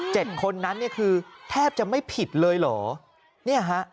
เจ็ดคนนั้นคือแทบจะไม่ผิดเลยเหรอ